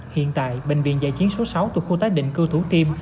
hiện tại bệnh viện giải chiến số sáu thuộc khu tái định cư thủ tiêm